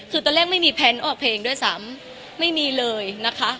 คือตอนแรกไม่มีแพลนออกเพลงด้วยซ้ำไม่มีเลยนะคะ